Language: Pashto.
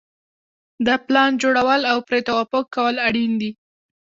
د پلان جوړول او پرې توافق کول اړین دي.